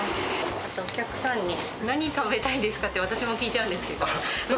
あとお客さんに何食べたいですかって、私も聞いちゃうんですけど。